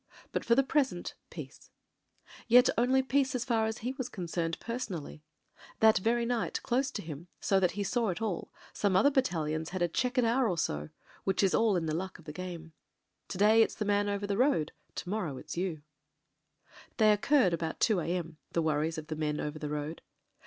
But for the present — peace. And yet only peace as far as he was concerned per sonally. That very night, close to him so that he saw it all, some other battalions had a chequered hour or so — which is all in the luck of the game. To day it's the man over the road — ^to morrow it's yoa ... They occurred about 2 a.m. — the worries of the men over the road.